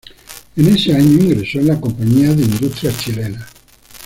En ese año ingresó en la Compañía de Industrias Chilenas.